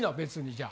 じゃあ。